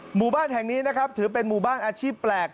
หมู่บ้านแห่งนี้นะครับถือเป็นหมู่บ้านอาชีพแปลก